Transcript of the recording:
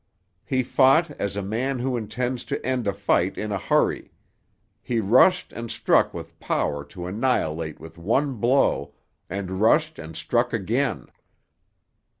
He fought as a man who intends to end a fight in a hurry; he rushed and struck with power to annihilate with one blow, and rushed and struck again.